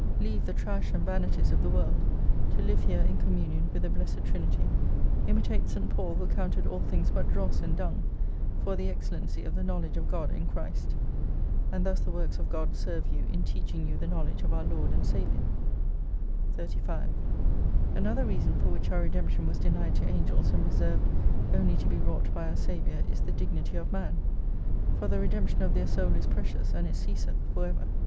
Leave the trash and vanities of the world, to live here in communion with the blessed Trinity. Imitate St. Paul who counted all things but dross and dung, for the excellency of the knowledge of God in Christ. And thus the "Works of God serve you in teaching you the knowledge of our Lord and Saviour. 35 Another reason for which our Redemption was denied to Angels and reserved only to be wrought by our Saviour, is the dignity of Man \ for the redemption of their Soul is precious and it ceaseth for ever.